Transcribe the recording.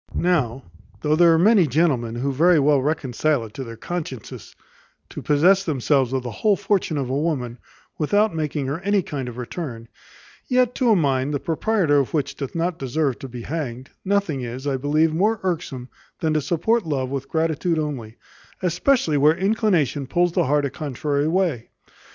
Now, though there are many gentlemen who very well reconcile it to their consciences to possess themselves of the whole fortune of a woman, without making her any kind of return; yet to a mind, the proprietor of which doth not deserved to be hanged, nothing is, I believe, more irksome than to support love with gratitude only; especially where inclination pulls the heart a contrary way.